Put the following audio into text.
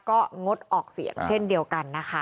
ก็งดออกเสียงเช่นเดียวกันนะคะ